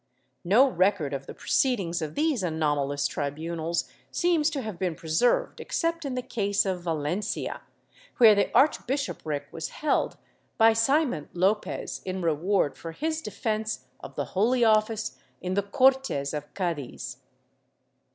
No record of the pro ceedings of these anomalous tribunals seems to have been pre served except in the case of Valencia, where the archbishopric was held by Simon Lopez, in reward for his defence of the Holy Office in the Cortes of Cadiz.